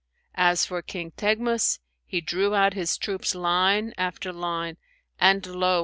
As for King Teghmus, he drew out his troops line after line and lo!